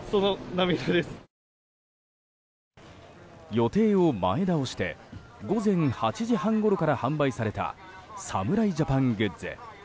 予定を前倒して午前８時半ごろから販売された侍ジャパングッズ。